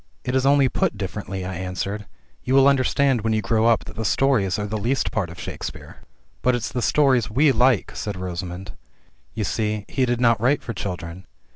"It is only put differently," I answered. "You will understand when you grow up that the stories are the least part of Shakespeare." "But it's the stories zve like," said Rosamund. "You see he did not write for children."